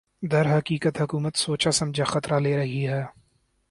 درحقیقت حکومت سوچاسمجھا خطرہ لے رہی ہے